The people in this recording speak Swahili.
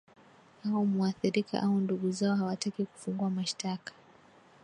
au muathirika au ndugu zao hawataki kufungua mashtaka